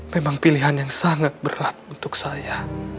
memang pilihan yang sangat berat untuk saya